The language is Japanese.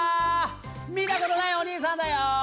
見たことないお兄さんだよ！